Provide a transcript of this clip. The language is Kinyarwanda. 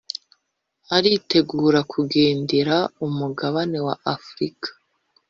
aritegura kugendera umugabane wa Afurika